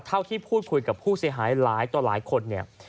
เท่าที่พูดคุยกับผู้เสียหายหลายต่อหลายคนเนี่ย